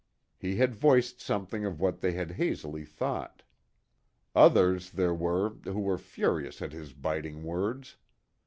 He had voiced something of what they had hazily thought. Others there were who were furious at his biting words.